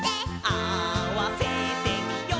「合わせてみよう」